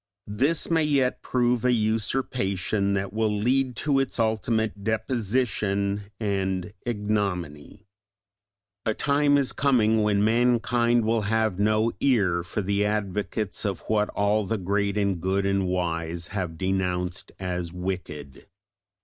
This may yet prove an usurpation that will lead to its ultimate deposition and ignominy. A time is coming when mankind will have no ear for the advocates of what all the great and good and wise have denounced as wicked.